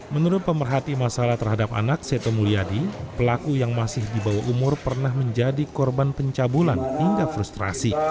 menurut pemerhati masalah terhadap anak seto mulyadi pelaku yang masih di bawah umur pernah menjadi korban pencabulan hingga frustrasi